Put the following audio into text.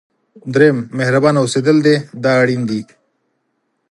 دریم مهربانه اوسېدل دی دا اړین دي.